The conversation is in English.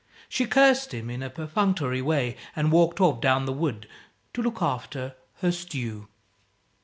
She cursed him, in a perfunctory way, and walked off, down the wood, to look after her stew.